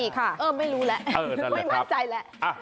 ปีกค่ะเออไม่รู้แหละไม่มั่นใจแหละ